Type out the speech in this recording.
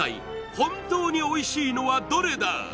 本当においしいのはどれだ！？